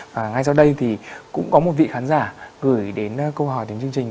và ngay sau đây thì cũng có một vị khán giả gửi đến câu hỏi đến chương trình